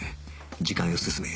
時間よ進め